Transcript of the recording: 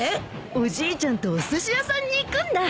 おじいちゃんとおすし屋さんに行くんだ。